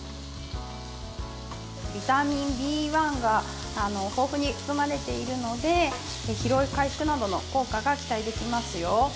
ビタミンＢ１が豊富に含まれているので疲労回復などの効果が期待できますよ。